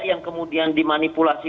yang kemudian dimanipulasi